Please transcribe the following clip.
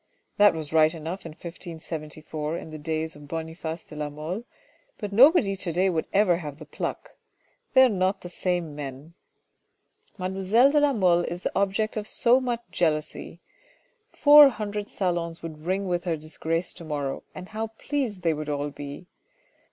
That was right enough in 1574 in the days of Boniface de la Mole, but nobody to day would ever have the pluck. They are not the same men. Mademoiselle de la Mole is the object of so much jealousy. Four hundred salons would ring with her disgrace to morrow, and how pleased they would all be.